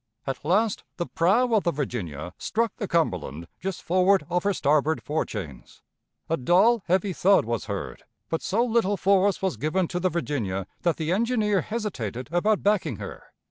At last the prow of the Virginia struck the Cumberland just forward of her starboard fore chains. A dull, heavy thud was heard, but so little force was given to the Virginia that the engineer hesitated about backing her.